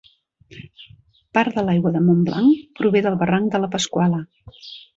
Part de l'aigua de Montblanc prové del barranc de la Pasquala.